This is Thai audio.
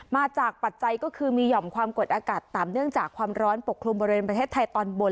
ปัจจัยก็คือมีหย่อมความกดอากาศต่ำเนื่องจากความร้อนปกคลุมบริเวณประเทศไทยตอนบน